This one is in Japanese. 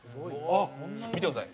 見てください。